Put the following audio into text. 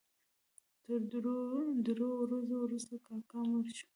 تر درو ورځو وروسته کاکا مړ شو.